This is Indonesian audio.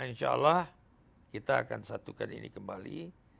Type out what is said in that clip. insyaallah kita akan satukan ini kembali